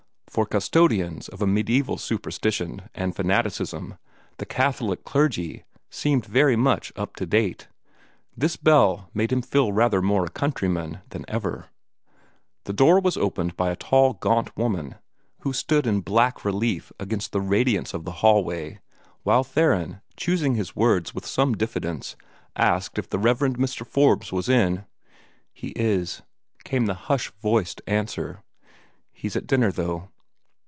For custodians of a mediaeval superstition and fanaticism, the Catholic clergy seemed very much up to date. This bell made him feel rather more a countryman than ever. The door was opened by a tall gaunt woman, who stood in black relief against the radiance of the hall way while Theron, choosing his words with some diffidence, asked if the Rev. Mr. Forbes was in. "He is" came the hush voiced answer. "He's at dinner, though."